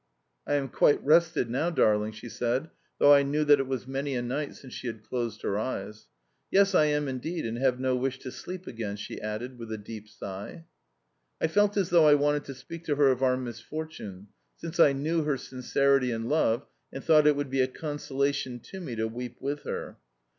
"I am quite rested now, darling," she said (though I knew that it was many a night since she had closed her eyes). "Yes, I am indeed, and have no wish to sleep again," she added with a deep sigh. I felt as though I wanted to speak to her of our misfortune, since I knew her sincerity and love, and thought that it would be a consolation to me to weep with her.